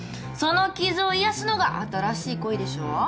その傷を癒やすのが新しい恋でしょ！